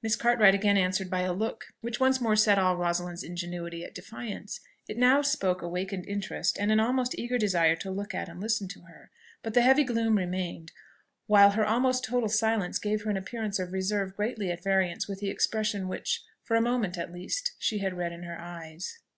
Miss Cartwright again answered by a look which once more set all Rosalind's ingenuity at defiance. It now spoke awakened interest, and an almost eager desire to look at and listen to her; but the heavy gloom remained, while her almost total silence gave her an appearance of reserve greatly at variance with the expression which, for a moment at least, she had read in her eyes.